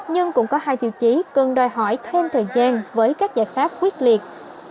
nhưng cũng có hai tiêu chí cần đòi hỏi thêm thời gian với các giải pháp quyết liệt